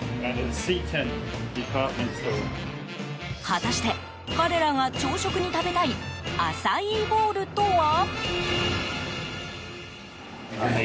果たして彼らが朝食に食べたいアサイーボウルとは？